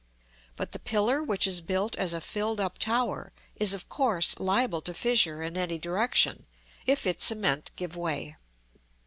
But the pillar which is built as a filled up tower is of course liable to fissure in any direction, if its cement give way.